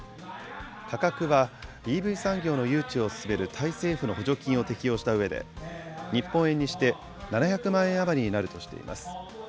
価格はＥＶ産業の誘致を進めるタイ政府の補助金を適用したうえで、日本円にして７００万円余りになるとしています。